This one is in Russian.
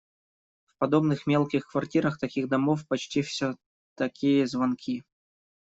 В подобных мелких квартирах таких домов почти всё такие звонки.